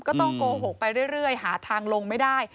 ก็ต้องโกหกไปเรื่อยหาทางลงไม่ได้